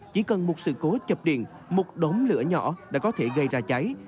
chỉ cần một sự cố chập điện một đống lửa nhỏ đã có thể gây ra cháy